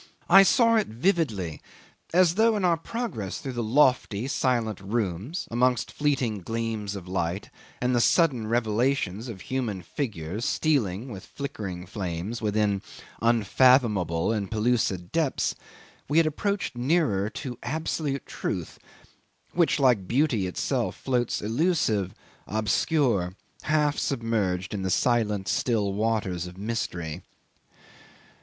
I saw it vividly, as though in our progress through the lofty silent rooms amongst fleeting gleams of light and the sudden revelations of human figures stealing with flickering flames within unfathomable and pellucid depths, we had approached nearer to absolute Truth, which, like Beauty itself, floats elusive, obscure, half submerged, in the silent still waters of mystery.